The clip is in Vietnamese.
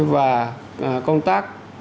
và công tác